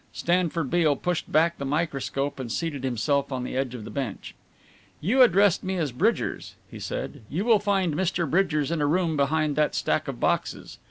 Stanford Beale pushed back the microscope and seated himself on the edge of the bench. "You addressed me as Bridgers," he said, "you will find Mr. Bridgers in a room behind that stack of boxes.